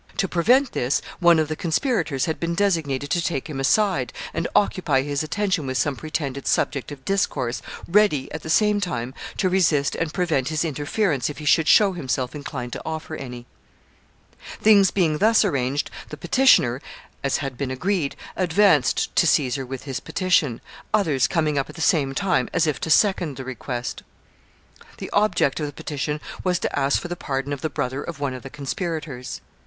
To prevent this, one of the conspirators had been designated to take him aside, and occupy his attention with some pretended subject of discourse, ready, at the same time, to resist and prevent his interference if he should show himself inclined to offer any. [Sidenote: The petition.] [Sidenote: Caesar assaulted.] Things being thus arranged, the petitioner, as had been agreed, advanced to Caesar with his petition, others coming up at the same time as if to second the request. The object of the petition was to ask for the pardon of the brother of one of the conspirators.